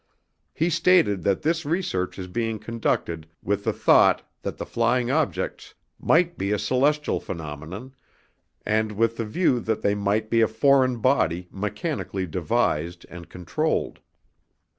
He stated that this research is being conducted with the thought that the flying objects might be a celestial phenomenon and with the view that they might be a foreign body mechanically devised and controlled.